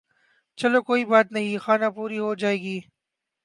چلو کوئی بات نہیں خانہ پوری ھو جاے گی